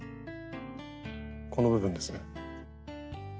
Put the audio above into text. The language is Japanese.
この部分ですね。